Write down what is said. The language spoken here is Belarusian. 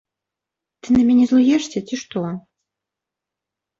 Ты на мяне злуешся, ці што?